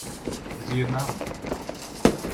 Yeux marron.